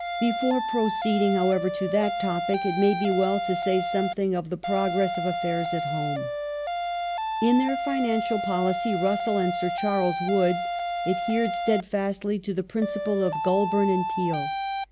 Before proceeding, however, to that topic it may be well to say something of the pro gress of affairs at home. Finance In their financial policy Russell and Sir Charles Wood adhered steadfastly to the principles of Goulburn and Peel.